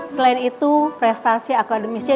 selain itu prestasi akademisnya